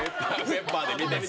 ペッパーで見てみた。